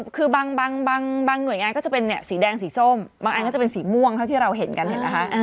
คือบางหน่วยงานก็จะเป็นสีแดงสีส้มบางอันก็จะเป็นสีม่วงเท่าที่เราเห็นกันเห็นไหมคะ